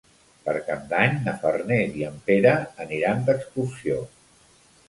Per Cap d'Any na Farners i en Pere aniran d'excursió.